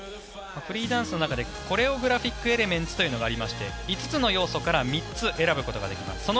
フリーダンスの中でコレオグラフィックエレメンツというのがありまして５つの要素から３つ選ぶことができます。